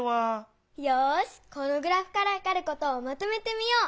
よしこのグラフからわかることをまとめてみよう！